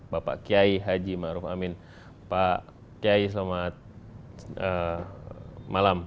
bapak kiai haji ma'ruf amin pak kiai selamat malam